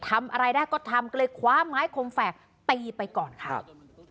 ทำอะไรได้ก็ทำก็เลยคว้าไม้คมแฝกตีไปก่อนครับ